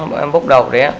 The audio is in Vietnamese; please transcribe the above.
bọn em bốc đầu đấy ạ